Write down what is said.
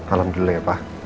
alhamdulillah ya pak